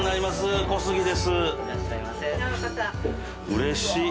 うれしい。